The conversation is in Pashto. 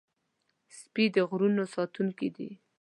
سپي د غرونو ساتونکي دي.